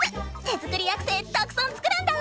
手作りアクセたくさん作るんだぁ！